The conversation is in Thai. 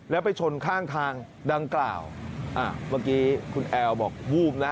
แล้วไปชนข้างทางดังกล่าวอ่าเมื่อกี้คุณแอลบอกวูบนะ